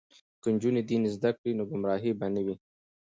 که نجونې دین زده کړي نو ګمراهي به نه وي.